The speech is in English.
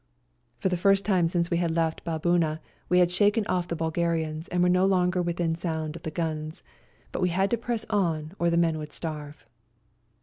For the first time since we had left Baboona we had shaken off the Bui L 160 ELBASAN garians and were no longer within sound of the guns, but we had to press on or the men would starve.